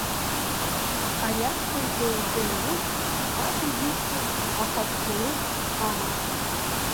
Ари аҷкәын еилҟьа-еилӷәыцә ас изишьҭаз ахатә ҭоурых аман.